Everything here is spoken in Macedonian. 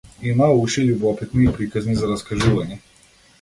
Имаа уши љубопитни и приказни за раскажување.